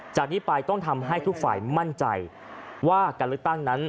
จากนี้ไปต้องทำให้ทุกฝ่ายมั่นใจว่าการเลือกตั้งนั้น